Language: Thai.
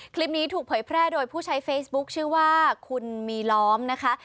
คลิปนี้ถูกเผยแพร่โดยผู้ใช้เฟซบุ๊คชื่อว่าคุณมีล้อมนะคะ